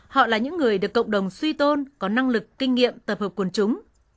họ là những người được cộng đồng suy tôn có năng lực kinh nghiệm tập hợp quần chúng